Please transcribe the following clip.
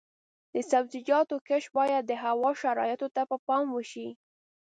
د سبزیجاتو کښت باید د هوا شرایطو ته په پام وشي.